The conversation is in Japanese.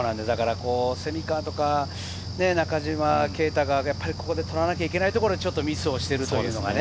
蝉川とか中島啓太がやっぱりここで取らなければいけないところでミスをしているというのがね。